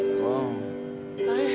大変。